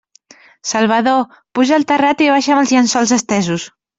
Salvador, puja al terrat i baixa'm els llençols estesos!